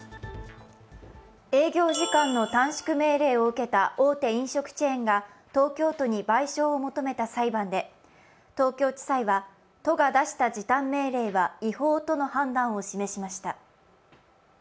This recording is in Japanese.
営業時間の短縮命令を受けた大手飲食チェーンが東京都に賠償を求めた裁判で、東京地裁は都が出した時短命令は違法との判断を示しました。